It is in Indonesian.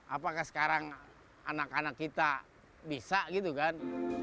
apakah sekarang anak anak kita bisa gitu kan